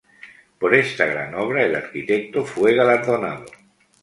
Por esta gran obra, el arquitecto fue galardonado.